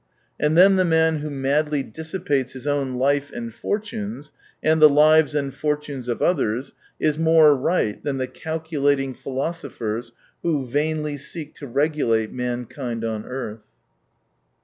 And then the man who madly dissipates his own life and fortunes, and the lives and fortunes of others, is more right than the calculating philosophers who vainly seek to regulate mankind on earth.